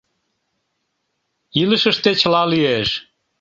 Илышыште чыла лиеш.